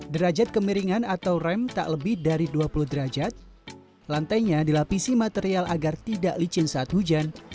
derajat kemiringan atau rem tak lebih dari dua puluh derajat lantainya dilapisi material agar tidak licin saat hujan